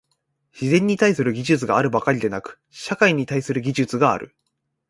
自然に対する技術があるばかりでなく、社会に対する技術がある。